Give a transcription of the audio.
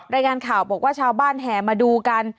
รายงานข่าวบอกว่าชาวบ้านแห่มาดูกัน